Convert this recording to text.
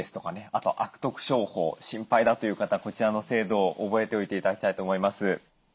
あと悪徳商法心配だという方こちらの制度を覚えておいて頂きたいと思います。